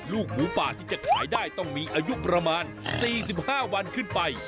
ลูกหมูป่าที่จะขายได้ต้องมีอายุประมาณ๔๕วันขึ้นไป